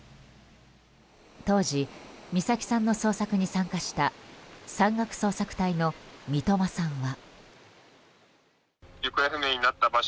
当時、美咲さんの捜索に参加した山岳捜索隊の三笘さんは。